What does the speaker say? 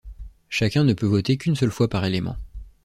Chacun ne peut voter qu'une seule fois par élément.